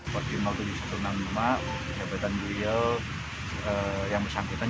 kodim tujuh ratus enam belas demak jabatan beliau yang bersangkutan